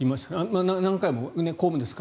何回も公務ですか？